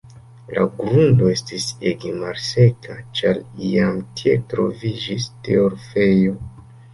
La grundo estis ege malseka, ĉar iam tie troviĝis torfejo.